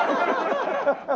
ハハハハハ。